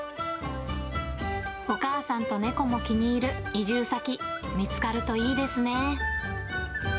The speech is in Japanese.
お母さんと猫も気に入る移住先、見つかるといいですね。